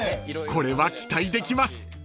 ［これは期待できます］